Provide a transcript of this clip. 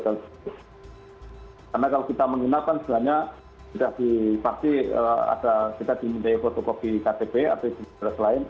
karena kalau kita menginap kan sebenarnya tidak dipasti ada kita dimintai fotokopi ktp atau istilah lain